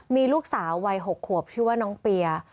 มีลูกสาววัย๖ขวบชื่อว่าน้องเปีย